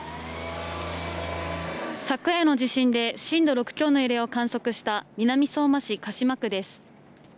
昨夜の地震で震度６強の揺れを観測した南相馬市鹿島区です。